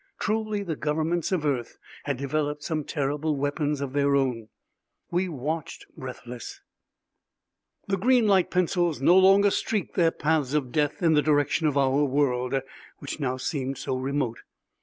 Truly, the governments of Earth had developed some terrible weapons of their own! We watched, breathless. The green light pencils no longer streaked their paths of death in the direction of our world, which now seemed so remote.